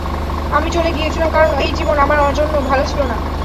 আমি চলে গিয়েছিলাম কারণ ওই জীবন আমার জন্য ভালো ছিলো না।